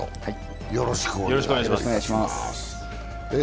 よろしくお願いします。